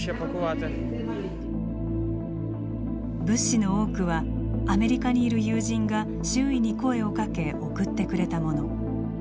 物資の多くはアメリカにいる友人が周囲に声をかけ送ってくれたもの。